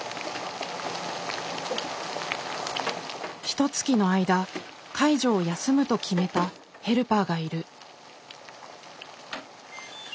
ひとつきの間介助を休むと決めたヘルパーがいる。